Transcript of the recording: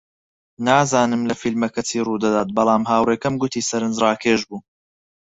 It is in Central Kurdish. نازانم لە فیلمەکە چی ڕوودەدات، بەڵام هاوڕێکەم گوتی سەرنجڕاکێش بوو.